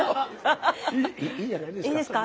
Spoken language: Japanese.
いいんじゃないですか？